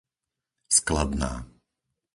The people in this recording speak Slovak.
Skladná